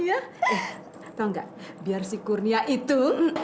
eh tau gak biar si kurnia itu